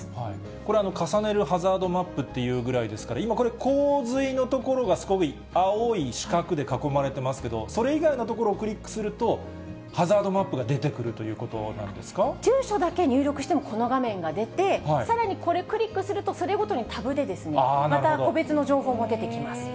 これ、重ねるハザードマップっていうぐらいですから、今これ、洪水の所がすごい青い四角で囲まれてますけども、それ以外の所をクリックすると、ハザードマップが出てくるという住所だけ入力してもこの画面が出て、さらにこれ、クリックすると、それごとにタグでまた個別の情報も出てきます。